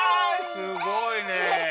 すごいね！